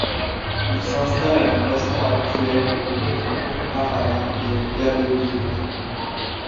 Ils s’installent à l’emplacement actuel, au confluent du Paraná et du Yabebiry.